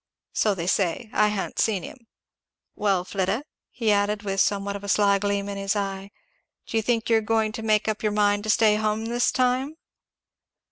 So they say. I ha'n't seen him. Well Flidda," he added with somewhat of a sly gleam in his eye, "do you think you're going to make up your mind to stay to hum this time?"